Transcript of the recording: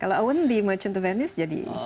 kalau owen di merchant the venice jadi